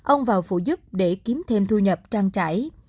ông vào phụ giúp để kiếm thêm thu nhập trang trải